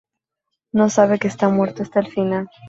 no sabe que está muerto hasta el final